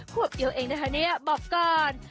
ควบดิ้วเองนะฮะนี้บอกก่อน